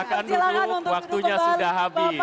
silahkan duduk waktunya sudah habis